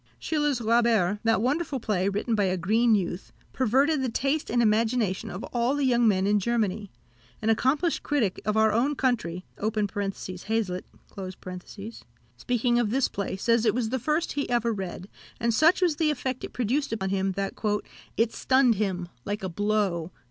Schiller's Räuber, that wonderful play, written by a green youth, perverted the taste and imagination of all the young men in Germany. An accomplished critic of our own country (Hazlitt), speaking of this play, says it was the first he ever read, and such was the effect it produced on him, that "it stunned him, like a blow."